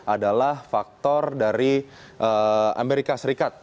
adalah faktor dari amerika serikat